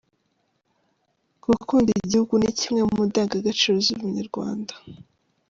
Gukunda igihugu ni kimwe mu indangagaciro z' umunyarwanda.